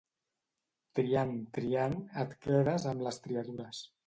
Triant, triant, et quedes amb les triadures.